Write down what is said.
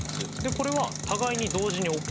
これは互いに同時に起こらない